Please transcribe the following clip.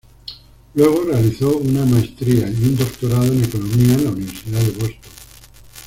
Luego realizó una maestría y un doctorado en economía en la Universidad de Boston.